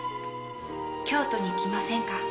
京都に来ませんか？